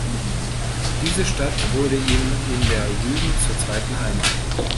Diese Stadt wurde ihm in der Jugend zur zweiten Heimat.